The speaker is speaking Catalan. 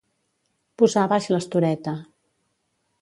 Posar baix l'estoreta.